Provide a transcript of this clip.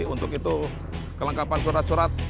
untuk itu kelengkapan surat surat